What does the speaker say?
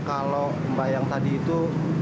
kalau mbak yang tadi itu